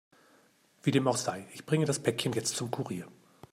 Wie dem auch sei, ich bringe das Päckchen jetzt zum Kurier.